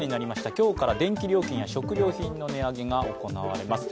今日から電気料金や食料品の値上げが行われます。